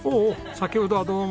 先ほどはどうも。